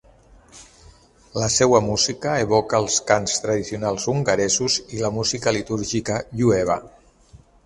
La seua música evoca els cants tradicionals hongaresos i la música litúrgica jueva.